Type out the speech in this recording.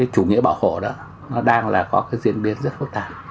chủ nghĩa bảo hộ đang có diễn biến rất phức tạp